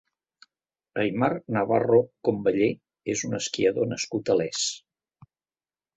Aymar Navarro Comballe és un esquiador nascut a Les.